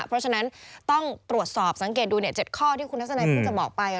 เพราะฉะนั้นต้องตรวจสอบสังเกตดู๗ข้อที่คุณทัศนัยพูดจะบอกไป